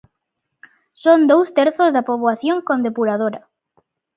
Son dous terzos da poboación con depuradora.